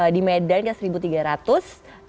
di medan kan seribu tiga ratus